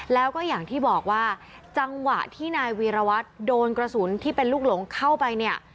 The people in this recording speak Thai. แล้วก็อย่างที่บอกว่าจังหวะที่นายวีรวัตรโดนกระสุนที่เป็นลูกหลงเข้าไปเนี่ย